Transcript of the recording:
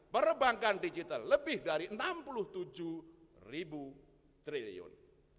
perbankan digital lebih dari enam puluh tujuh ribu triliun